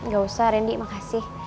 gak usah rendy makasih